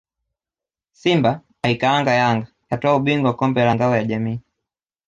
Simba yaikaanga Yanga yatwaa ubingwa kombe la Ngao ya Jamii